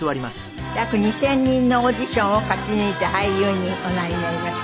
約２０００人のオーディションを勝ち抜いて俳優におなりになりました。